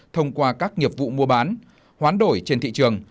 thông qua các nghiệp vụ mua bán hoán đổi trên thị trường